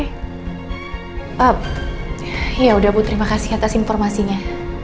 ehm yaudah bu terima kasih atas informasinya